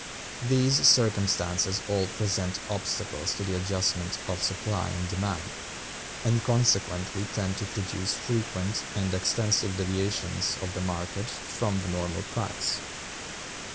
These circumstances all present obstacles to the adjustment of supply and demand, and consequently tend to produce frequent and extensive deviations of the market from the normal price.